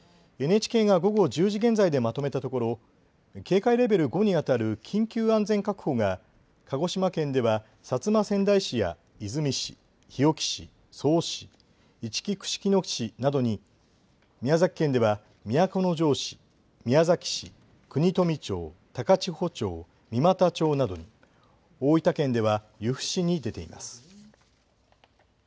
ＮＨＫが午後１０時現在でまとめたところ、警戒レベル５にあたる緊急安全確保が鹿児島県では薩摩川内市や出水市、日置市、曽於市、いちき串木野市などに、宮崎県では都城市、宮崎市、国富町、高千穂町、三股町などに、大分県では由布市に出ています。